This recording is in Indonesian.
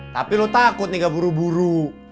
tapi lo takut nih gak buru buru